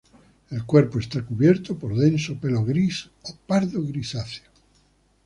El cuerpo está cubierto por denso pelo gris o pardo grisáceo.